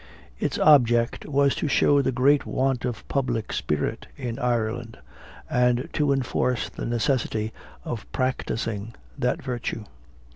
Its object was to show the great want of public spirit in Ireland, and to enforce the necessity of practising that virtue.